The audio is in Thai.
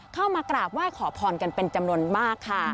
เข้ามากราบไหว้ขอพรกันเป็นจำนวนมากค่ะ